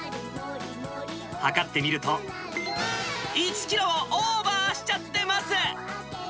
量ってみると、１キロをオーバーしちゃってます。